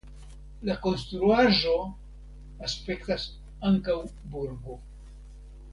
La konstruaĵo aspektas ankaŭ burgo.